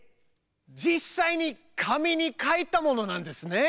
実際に紙に描いたものなんですね。